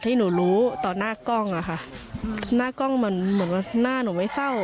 ที่หนูรู้ต่อหน้ากล้องอ่ะค่ะหน้ากล้องมันเหมือนว่าหน้าหนูไม่เศร้า